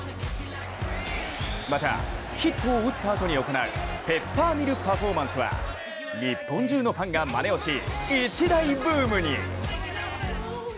またヒットを打ったあとに行うペッパーミルパフォーマンスは日本中のファンがまねをし一大ブームに。